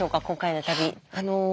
今回の旅。